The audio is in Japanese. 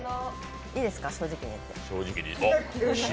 いいですか、正直に言って。